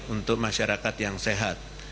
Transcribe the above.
untuk masyarakat yang sehat